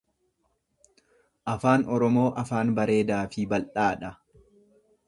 Afaan Oromoo afaan bareedaa fi bal’aa dha.